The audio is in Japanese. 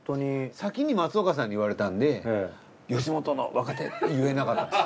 先に松岡さんに言われたんで吉本の若手って言えなかったです。